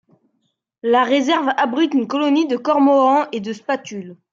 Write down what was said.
La réserve abrite une colonie de cormorans et de spatules.